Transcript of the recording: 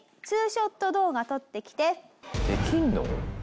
できるの？